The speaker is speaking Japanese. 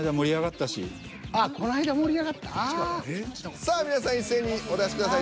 さあ皆さん一斉にお出しください。